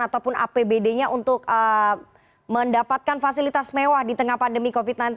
ataupun apbd nya untuk mendapatkan fasilitas mewah di tengah pandemi covid sembilan belas